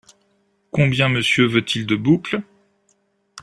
Combien Monsieur veut-il de boucles ?